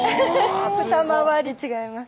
ふた回り違います